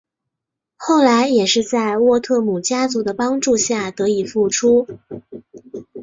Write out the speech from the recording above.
后来也是在沃特姆家族的帮助下得以复出。